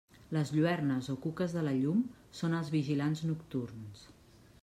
Les lluernes, o cuques de la llum, són els vigilants nocturns.